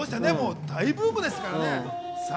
大ブームですからね。